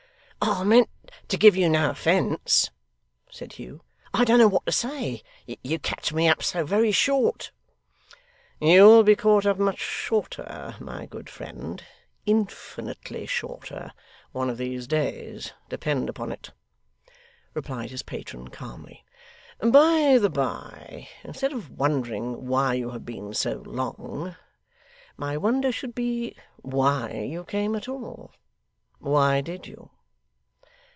'I meant to give you no offence,' said Hugh. 'I don't know what to say. You catch me up so very short.' 'You will be caught up much shorter, my good friend infinitely shorter one of these days, depend upon it,' replied his patron calmly. 'By the bye, instead of wondering why you have been so long, my wonder should be why you came at all. Why did you?